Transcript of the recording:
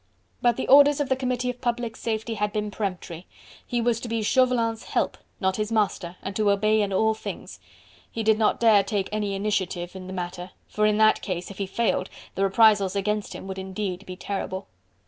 But the orders of the Committee of Public Safety had been peremptory: he was to be Chauvelin's help not his master, and to obey in all things. He did not dare to take any initiative in the matter, for in that case, if he failed, the reprisals against him would indeed be terrible.